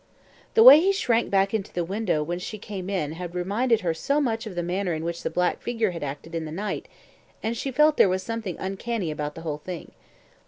The way he shrank back into the window when she came in had reminded her so much of the manner in which the black figure had acted in the night, and she felt there was something uncanny about the whole thing.